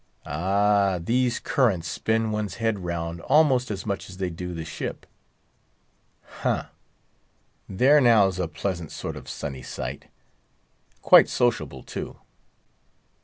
Ah, these currents spin one's head round almost as much as they do the ship. Ha, there now's a pleasant sort of sunny sight; quite sociable, too.